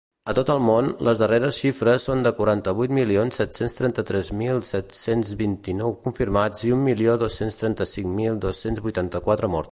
A tot el món, les darreres xifres són de quaranta-vuit milions set-cents trenta-tres mil set-cents vint-i-nou confirmats i un milió dos-cents trenta-cinc mil dos-cents vuitanta-quatre morts.